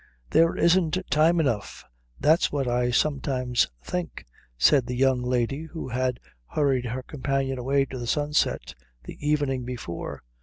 "There isn't time enough, that's what I sometimes think," said the young lady who had hurried her companion away to the sunset the evening before.